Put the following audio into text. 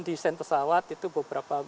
desain pesawat itu beberapa